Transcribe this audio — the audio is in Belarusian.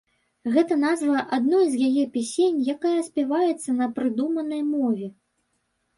Гэта назва адной з яе песень, якая спяваецца на прыдуманай мове.